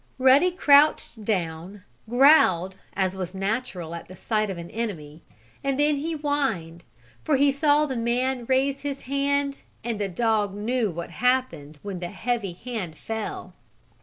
Ruddy crouched down, growled as was natural at the sight of an enemy, and then he whined, for he saw the man raise his hand and the dog knew what happened when the heavy hand fell.